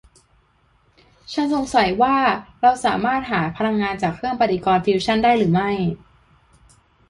ฉันสงสัยว่าเราจะสามารถหาพลังงานจากเครื่องปฏิกรณ์ฟิวชั่นได้หรือไม่